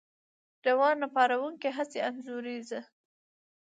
روانه، پارونکې، ، حسي، انځوريزه